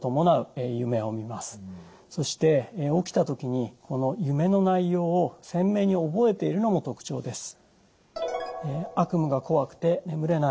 そして起きた時に夢の内容を鮮明に覚えているのも特徴です。